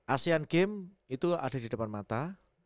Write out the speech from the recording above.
asean games itu ada di depan mata